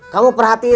kamu perhatiin saya